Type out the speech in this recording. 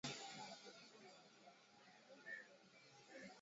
Epuka kulishia mifugo katika maeneo yenye inzi wengi